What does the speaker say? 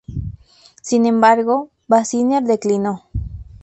Sin embargo, Basinger declinó.